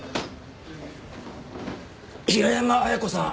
平山亜矢子さん